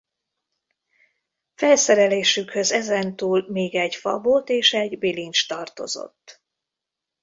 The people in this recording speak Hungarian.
Felszerelésükhöz ezentúl még egy fabot és egy bilincs tartozott.